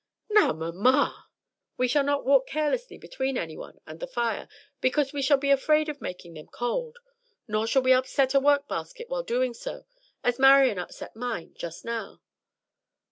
"Now, mamma!" "We shall not walk carelessly between any one and the fire, because we shall be afraid of making them cold; nor shall we upset a work basket while doing so, as Marian upset mine just now."